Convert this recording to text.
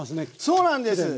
そうなんです。